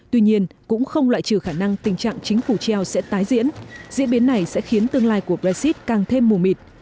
tuy nhiên cũng không loại trừ khả năng tình trạng chính phủ treo sẽ tái diễn diễn biến này sẽ khiến tương lai của brexit càng thêm mù mịt